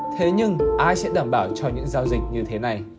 thế nhưng ai sẽ đảm bảo cho những giao dịch như thế này